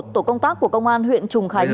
tổ công tác của công an huyện trùng khánh